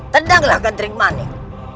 tendanglah gantrik manik